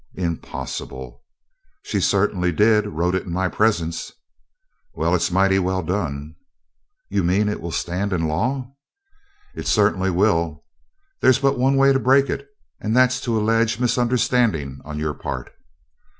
"Impossible!" "She certainly did wrote it in my presence." "Well, it's mighty well done." "You mean it will stand in law?" "It certainly will. There's but one way to break it, and that's to allege misunderstanding on your part."